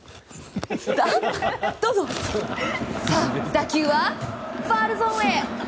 打球はファウルゾーンへ。